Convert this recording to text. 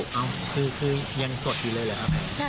คือยังสดอยู่เลยหรือครับ